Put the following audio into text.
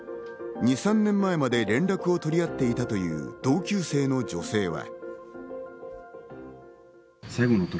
２３年前まで連絡を取り合っていたという同級生の女性は。